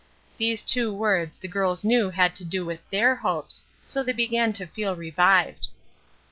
These two words, the girls knew had to do with their hopes; so they began to feel revived.